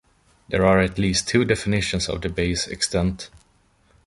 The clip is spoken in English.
There are at least two definitions of the bay's extent.